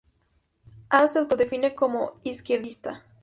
Hass se autodefine como izquierdista.